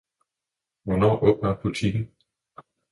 Hvornår åbner butikken?